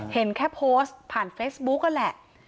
เห็นแค่โพสต์ผ่านเฟซบุ๊กนั่นแหละ